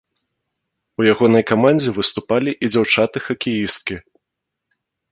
У ягонай камандзе выступалі і дзяўчаты-хакеісткі.